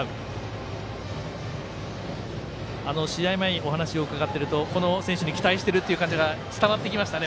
試合前にお話を伺っているとこの選手に期待してるという感じが伝わってきましたね。